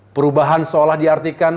perubahan seolah diartikan